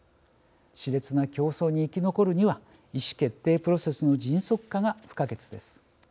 しれつな競争に生き残るには意思決定プロセスの迅速化が不可欠です。